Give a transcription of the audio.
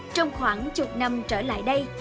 trong khoảng chục năm trở lại đây